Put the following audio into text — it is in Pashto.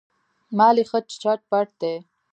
مال یې ښه چت پت دی.